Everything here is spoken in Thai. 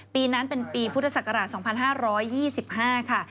ปีนั้นเป็นปีพุทธศักราช๒๕๒๕ค่ะ